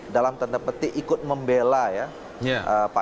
dalam tanda petik ikut membela ya